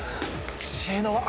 知恵の輪？